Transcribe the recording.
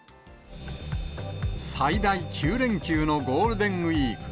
最大９連休のゴールデンウィーク。